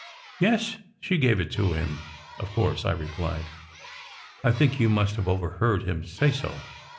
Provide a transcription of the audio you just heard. "Yes, she gave it to him, of course," I replied. "I think you must have overheard him say so."